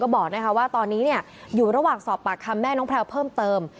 บอกว่าตอนนี้อยู่ระหว่างสอบปากคำแม่น้องแพลวเพิ่มเติม